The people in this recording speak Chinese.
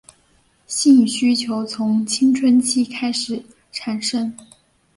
性需求从青春期开始产生。